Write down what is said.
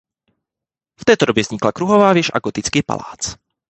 V této době vznikla kruhová věž a gotický palác.